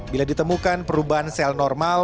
bila ditemukan perubahan sel normal